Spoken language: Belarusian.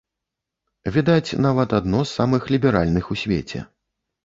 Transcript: Відаць, нават, адно з самых ліберальных у свеце.